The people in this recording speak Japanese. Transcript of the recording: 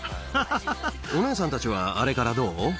お姉さんたちはあれからどう？